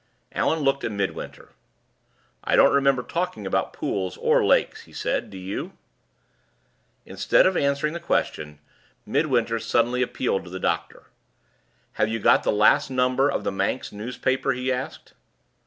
Allan looked at Midwinter. "I don't remember talking about pools or lakes," he said. "Do you?" Instead of answering the question, Midwinter suddenly appealed to the doctor. "Have you got the last number of the Manx newspaper?" he asked.